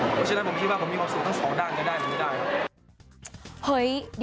เพราะฉะนั้นผมคิดว่าผมมีความสุขทั้งสองด้านก็ได้หรือไม่ได้ครับ